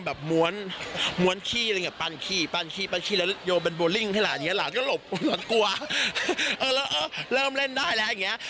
มันเข้าไม่ถูกอะไรอย่างนี้